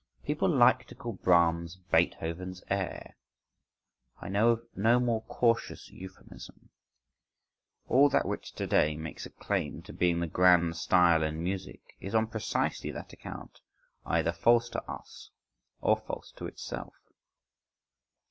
… People like to call Brahms Beethoven's heir: I know of no more cautious euphemism—All that which to day makes a claim to being the grand style in music is on precisely that account either false to us or false to itself.